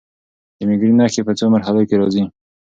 د مېګرین نښې په څو مرحلو کې راځي.